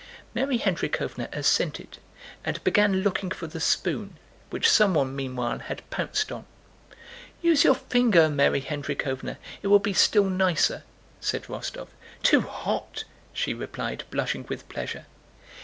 Mary Hendríkhovna assented and began looking for the spoon which someone meanwhile had pounced on. "Use your finger, Mary Hendríkhovna, it will be still nicer," said Rostóv. "Too hot!" she replied, blushing with pleasure.